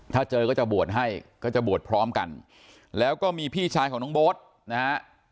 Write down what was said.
ถ้าเจอก็จะบวชให้ก็จะบวชพร้อมกันแล้วก็มีพี่ชายของน้องโบ๊ทนะฮะ